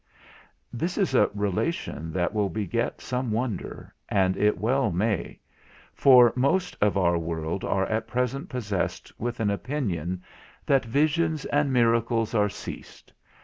This is a relation that will beget some wonder, and it well may; for most of our world are at present possessed with an opinion that visions and miracles are ceased.